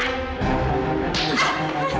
lajang mulut kamu